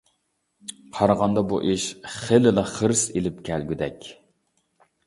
قارىغاندا بۇ ئىش خېلىلا خىرىس ئېلىپ كەلگۈدەك.